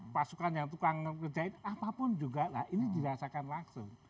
pasukan yang tukang ngerjain apapun juga nah ini dirasakan langsung